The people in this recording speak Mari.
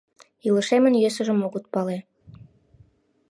Илышемын йӧсыжым огыт пале.